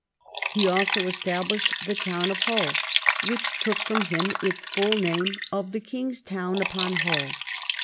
He also established the town of Hull, Avhich took from him its full name of the Kings town upon Hull.